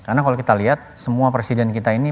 karena kalau kita lihat semua presiden kita ini